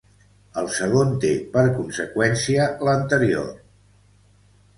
El segon té per conseqüència l’anterior.